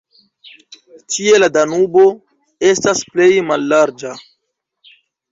Tie la Danubo estas plej mallarĝa.